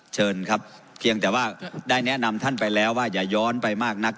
เชิญครับเพียงแต่ว่าได้แนะนำท่านไปแล้วว่าอย่าย้อนไปมากนัก